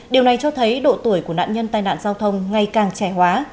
điều này cho thấy độ tuổi của nạn nhân tai nạn giao thông ngày càng trẻ hóa